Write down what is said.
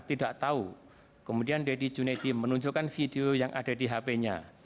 tidak tahu kemudian deddy junedi menunjukkan video yang ada di hp nya